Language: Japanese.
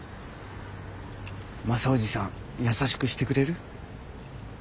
マサおじさん優しくしてくれる？